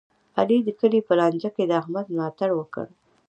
علي د کلي په لانجه کې د احمد ملا تړ وکړ.